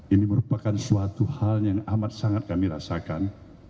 ini merupakan suatu hal yang amat sangat kami rasakan